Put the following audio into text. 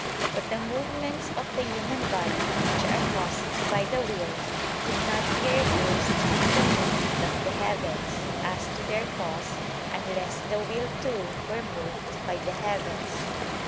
But the movements of the human body, which are caused by the will, could not be reduced to the movement of the heavens, as to their cause, unless the will too were moved by the heavens.